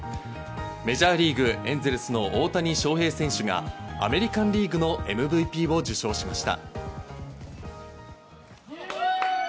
メジャーリーグ、エンゼルスの大谷翔平選手がアメリカンリーグのＭＶＰを受賞しました。